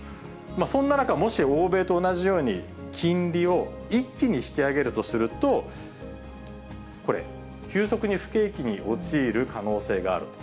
そんな中、もし欧米と同じように金利を一気に引き上げるとすると、これ、急速に不景気に陥る可能性があると。